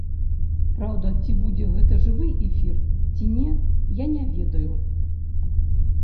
Праўда, ці будзе гэта жывы эфір, ці не, я не ведаю.